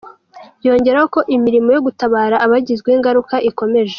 Yongeraho ko imirimo yo gutabara abagizweho ingaruka ikomeje.